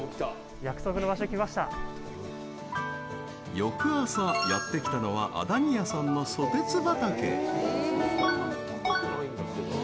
翌朝、やってきたのは安谷屋さんのソテツ畑。